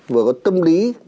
vừa có tâm lý